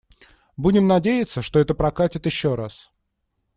Будем надеяться, что это «прокатит» ещё раз.